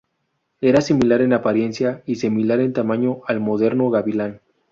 Era similar en apariencia y similar en tamaño al moderno gavial.